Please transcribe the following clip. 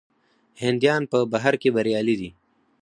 هندیان په بهر کې بریالي دي.